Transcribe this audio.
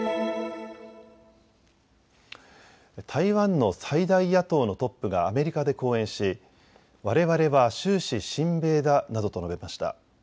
台湾の最大野党のトップがアメリカで講演し、われわれは終始、親米だなどと述べました。